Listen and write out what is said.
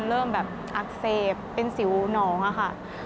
เริ่มแบบอักเสบเป็นสิวหนองอะค่ะ